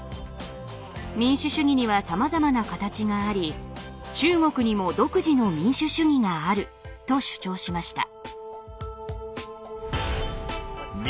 民主主義にはさまざまな形があり中国にも独自の民主主義があると主張しました。